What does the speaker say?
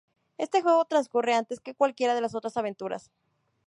Este juego transcurre antes que cualquiera de las otras aventuras.